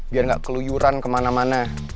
biar gak keluyuran kemana mana